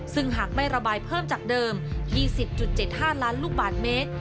ซึ่งหากไม่ระบายเพิ่มจากเดิม๒๐๗๕ล้านลูกบาทเมตร